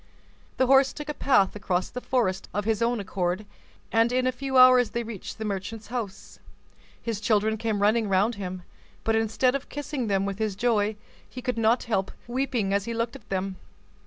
The horse took a path across the forest of his own accord, and in a few hours they reached the merchant's house. His children came running round him, but, instead of kissing them with joy, he could not help weeping as he looked at them.